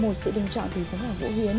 một sự lựa chọn từ giám khảo vũ huyến